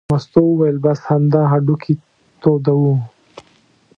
مستو وویل: بس همدا هډوکي تودوه.